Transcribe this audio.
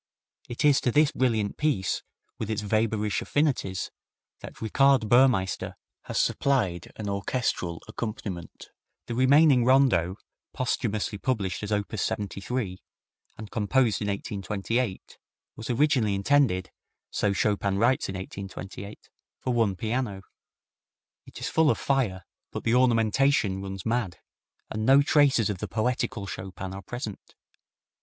It is to this brilliant piece, with its Weber ish affinities, that Richard Burmeister has supplied an orchestral accompaniment. The remaining Rondo, posthumously published as op. 73, and composed in 1828, was originally intended, so Chopin writes in 1828, for one piano. It is full of fire, but the ornamentation runs mad, and no traces of the poetical Chopin are present.